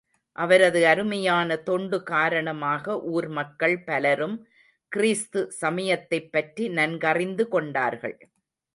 அவரது அருமையான தொண்டு காரணமாக ஊர்மக்கள் பலரும் கிறிஸ்து சமயத்தைப் பற்றி நன்கறிந்து கொண்டார்கள்.